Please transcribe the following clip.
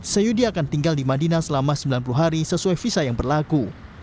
seyudi akan tinggal di madinah selama sembilan puluh hari sesuai visa yang berlaku